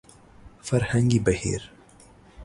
فرهنګي بهير